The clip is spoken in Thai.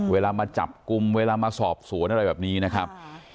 เวลามาจับกลุ่มเวลามาสอบสวนอะไรแบบนี้นะครับ